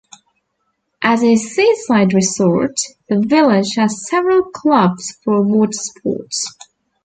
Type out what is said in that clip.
As a seaside resort, the village has several clubs for watersports.